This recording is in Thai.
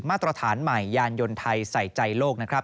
มาตรฐานใหม่ยานยนต์ไทยใส่ใจโลก